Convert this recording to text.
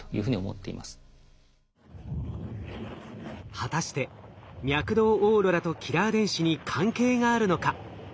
果たして脈動オーロラとキラー電子に関係があるのか。